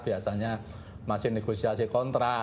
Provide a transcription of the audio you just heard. biasanya masih negosiasi kontra